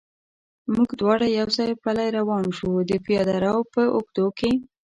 موږ دواړه یو ځای پلی روان شو، د پیاده رو په اوږدو کې.